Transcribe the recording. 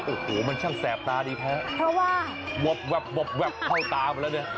โอ้โหมันช่างแสบตาดีแพ้เพราะว่าวบแวบเข้าตามาแล้วเนี่ย